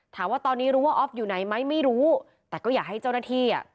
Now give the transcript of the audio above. ถามว่าตอนนี้รู้ว่าออฟอยู่ไหนไหมไม่รู้แต่ก็อยากให้เจ้าหน้าที่อ่ะ